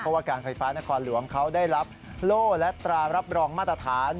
เพราะว่าการไฟฟ้านครหลวงเขาได้รับโล่และตรารับรองมาตรฐาน